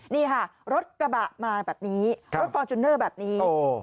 นี่ค่ะรถกระบะมาแบบนี้รถฟอร์จูเนอร์แบบนี้